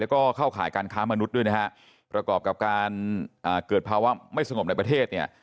ก็คือหนุดด้วยนะครับประกอบกับการเกิดภาวะไม่สงบในประเทศเนี่ย